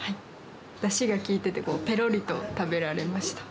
だしが効いてて、ぺろりと食べられました。